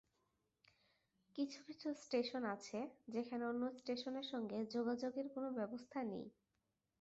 কিছু কিছু স্টেশন আছে, যেখানে অন্য স্টেশনের সঙ্গে যোগাযোগের কোনো ব্যবস্থা নেই।